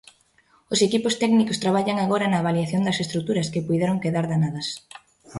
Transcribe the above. Os equipos técnicos traballan agora na avaliación das estruturas que puideron quedar danadas.